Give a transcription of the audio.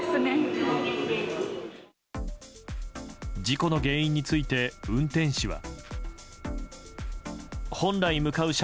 事故の原因について運転士は。